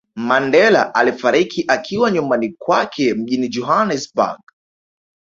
Mandela alifariki akiwa nyumbani kwake mjini Johanesburg